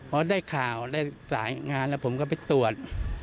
พอได้ข่าวได้สายงานแล้วผมก็ไปตรวจ